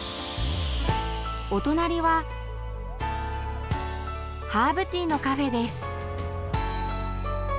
お隣はハーブティーのカフェです。